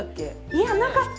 いやなかった。